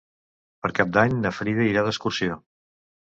Per Cap d'Any na Frida irà d'excursió.